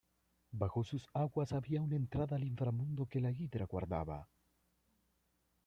Bajo sus aguas había una entrada al Inframundo que la Hidra guardaba.